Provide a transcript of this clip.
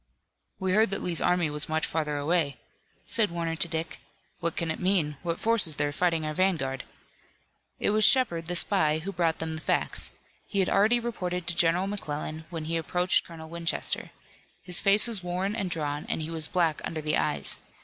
"We heard that Lee's army was much further away," said Warner to Dick. "What can it mean? What force is there fighting our vanguard?" It was Shepard, the spy, who brought them the facts. He had already reported to General McClellan, when he approached Colonel Winchester. His face was worn and drawn, and he was black under the eyes.